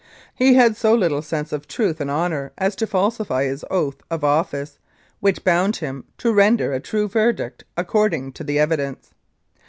He had so little sense of truth and honour as to falsify his oath of office, which bound him to render a true verdict according to the evidence.